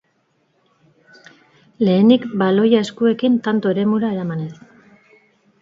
Lehenik, baloia eskuekin tanto-eremura eramanez.